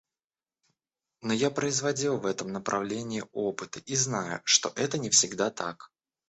Но я производил в этом направлении опыты и знаю, что это не всегда так.